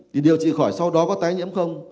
thì điều trị khỏi sau đó có tái nhiễm không